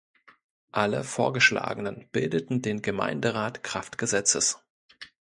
Alle Vorgeschlagenen bildeten den Gemeinderat kraft Gesetzes.